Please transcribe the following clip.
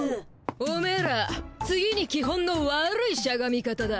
おめえら次に基本のわるいしゃがみ方だ。